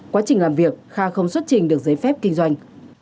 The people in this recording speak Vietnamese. quá trình làm việc kha không xuất trình được giấy phép kinh doanh